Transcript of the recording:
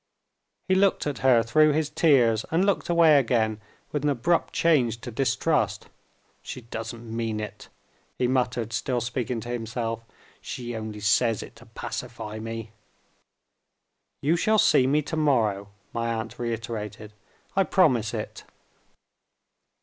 He looked at her through his tears, and looked away again with an abrupt change to distrust. "She doesn't mean it," he muttered, still speaking to himself; "she only says it to pacify me." "You shall see me to morrow," my aunt reiterated; "I promise it."